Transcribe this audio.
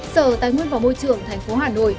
sở tài nguyên và môi trường tp hà nội